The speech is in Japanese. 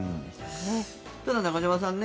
ただ、中島さん